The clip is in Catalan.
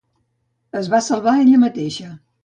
Es va salvar ella mateixa